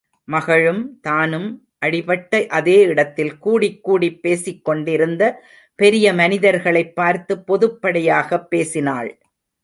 மகளும், தானும் அடிபட்ட அதே இடத்தில் கூடிக்கூடிப் பேசிக் கொண்டிருந்த பெரிய மனிதர்களைப் பார்த்து பொதுப்படையாகப் பேசினாள்.